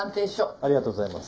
ありがとうございます。